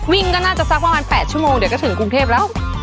ก็น่าจะสักประมาณ๘ชั่วโมงเดี๋ยวก็ถึงกรุงเทพแล้ว